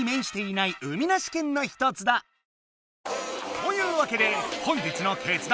というわけで本日の決断